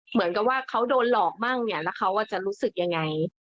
เหมือนกับว่าเขาโดนหลอกมั่งเนี่ยแล้วเขาจะรู้สึกยังไง